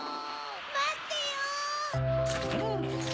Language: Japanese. まってよ！